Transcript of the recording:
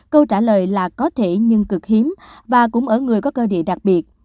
câu trả lời là có thể nhưng cực hiếm và cũng ở người có cơ địa đặc biệt